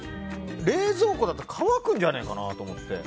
冷蔵庫だと乾くんじゃないかなと思って。